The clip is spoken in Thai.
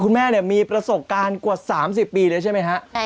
คุณแม่มีประสบการณ์กว่า๓๐ปีเลยใช่ไหมฮะ